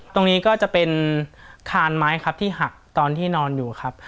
ตรงนี้ก็จะเป็นคานไม้ครับที่หักตอนที่นอนอยู่ครับ